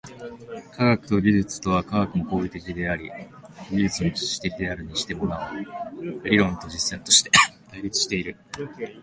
科学と技術とは、科学も行為的であり技術も知識的であるにしても、なお理論と実践として対立している。